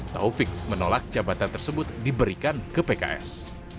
taufik menolak jabatan tersebut diberikan ke pks